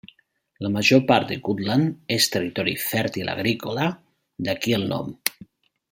La major part de Gutland és territori fèrtil agrícola, d'aquí el nom.